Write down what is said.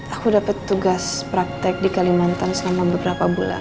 aku dapat tugas praktek di kalimantan selama beberapa bulan